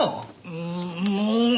うんもう。